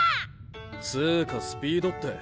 つかスピードって。